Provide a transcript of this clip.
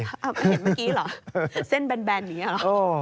เคยเห็นเมื่อกี้เหรอเส้นแบนอย่างนี้หรอ